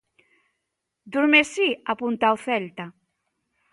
Durmisi apunta ao Celta.